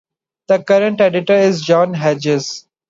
The current editor is John Hedges.